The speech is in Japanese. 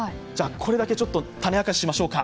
これだけ種明かししましょうか。